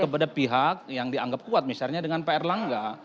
kepada pihak yang dianggap kuat misalnya dengan pak erlangga